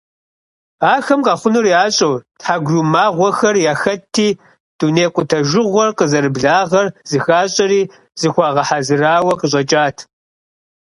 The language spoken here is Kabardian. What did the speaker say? Ахэм къэхъунур ящӀэу тхьэгурымагъуэхэр яхэтти, дуней къутэжыгъуэр къызэрыблагъэр зыхащӀэри зыхуагъэхьэзырауэ къыщӀэкӀат.